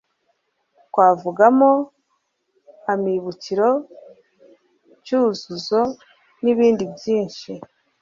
twavugamo amibukiro cyuzuzo n' ibindi byinshi